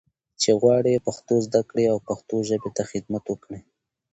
چې غواړي پښتو زده کړي او پښتو ژبې ته خدمت وکړي.